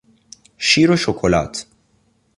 شیر و شکلات